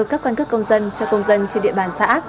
cấp căn cước công dân cho công dân trên địa bàn xã